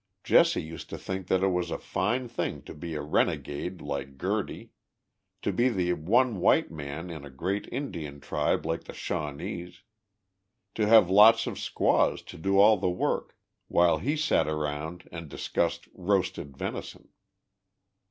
Jesse used to think that it was a fine thing to be a renegade like Gerty ; to be the one white man in a great Indian tribe like the Shawn ees ; to have lots of squaws to do all the work, while he sat around and discussed roasted venison.